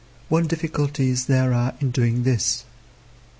What difficulties there are in doing this.